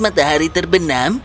lihat matahari terbenam